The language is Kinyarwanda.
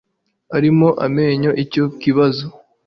Arimo amenyera icyo kibazo